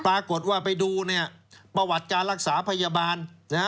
ปรากฏว่าไปดูประวัติการรักษาพยาบาล